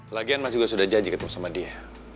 lagian mas juga sudah janji ketemu sama dia